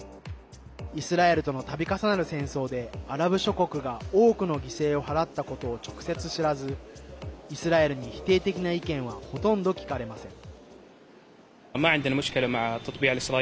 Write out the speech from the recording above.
イスラエルとのたび重なる戦争でアラブ諸国が多くの犠牲を払ったことを直接知らずイスラエルに否定的な意見はほとんど聞かれません。